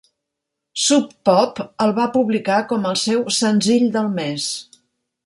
Sub Pop el va publicar com el seu "Senzill del mes".